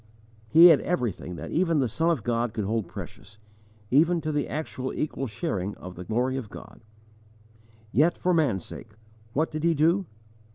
He had everything that even the Son of God could hold precious, even to the actual equal sharing of the glory of God. Yet for man's sake what did he do?